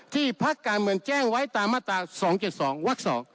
พักการเมืองแจ้งไว้ตามมาตรา๒๗๒วัก๒